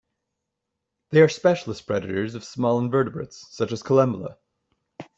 They are specialist predators of small invertebrates such as collembola.